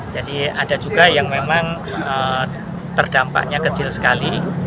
jadi ada juga yang memang terdampaknya kecil sekali